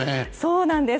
そうなんです！